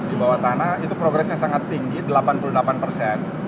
di bawah tanah itu progresnya sangat tinggi delapan puluh delapan persen